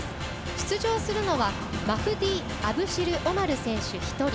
出場するのはマフディ・アブシルオマル選手１人。